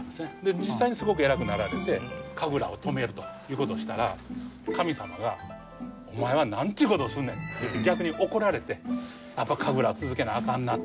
実際にすごく偉くなられて神楽を止めるという事をしたら神様が「お前はなんていう事をすんねん」って逆に怒られて「神楽は続けなアカンな」って。